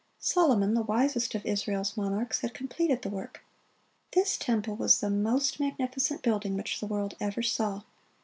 (25) Solomon, the wisest of Israel's monarchs, had completed the work. This temple was the most magnificent building which the world ever saw.